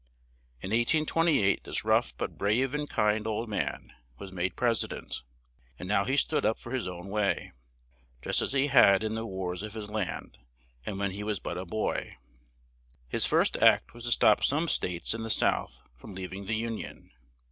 In 1828 this rough, but brave and kind, old man, was made pres i dent; and now he stood up for his own way, just as he had in the wars of his land, and when he was but a boy. His first act was to stop some states in the South from leav ing the Un ion.